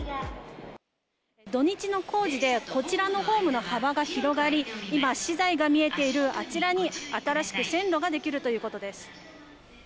土日の工事で、こちらのホームの幅が広がり、今、資材が見えているあちらに新しく線路が出来るということです。